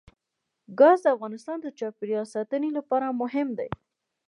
ګاز د افغانستان د چاپیریال ساتنې لپاره مهم دي.